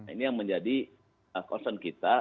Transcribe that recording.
ini yang menjadi concern kita